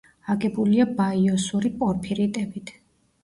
აგებულია ბაიოსური პორფირიტებით.